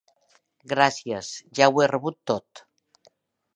Gràcies, ja ho he rebut tot!